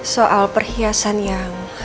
soal perhiasan yang